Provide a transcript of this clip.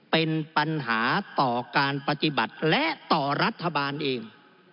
เป็นปัญหาต่อการปฏิบัติและต่อรัฐบาลเอง